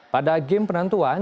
pada game penentuan